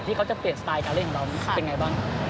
ที่เขาจะเปลี่ยนสไตล์การเล่นเหมือนเรานี้เป็นไงบ้าง